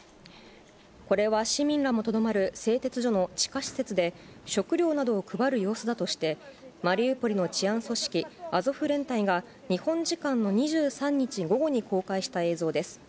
これは市民らもとどまる製鉄所の地下施設で、食料などを配る様子だとして、マリウポリの治安組織、アゾフ連隊が日本時間の２３日午後に公開した映像です。